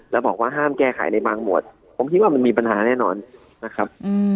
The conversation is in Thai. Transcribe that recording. แล้วบอกว่าห้ามแก้ไขในบางหมวดผมคิดว่ามันมีปัญหาแน่นอนนะครับ